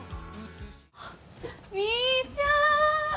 あっみーちゃん！